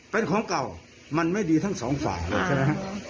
เป็นของเก่ามันไม่ดีทั้งสองฝ่าเลยครับ